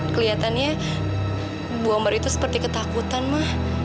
kelihatannya bu ambar itu seperti ketakutan ma